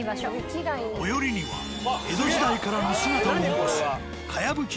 最寄りには江戸時代からの姿を残すかやぶき